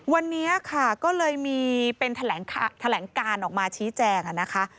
วันนี้ค่ะก็เลยมีเป็นแถลงการออกมาชี้แจงนะคะ